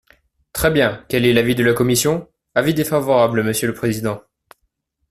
Très bien ! Quel est l’avis de la commission ? Avis défavorable, monsieur le président.